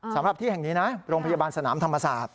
สำหรับที่แห่งนี้นะโรงพยาบาลสนามธรรมศาสตร์